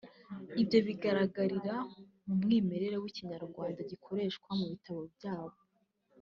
Ibyo bigaragarira mu mwimerere w’Ikinyarwanda gikoreshwa mu bitabo byayo